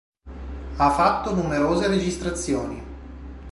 Ha fatto numerose registrazioni.